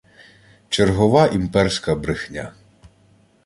Чергова імперська брехня